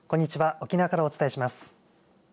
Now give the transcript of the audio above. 沖縄からお伝えします。